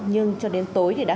nhưng cho đến tối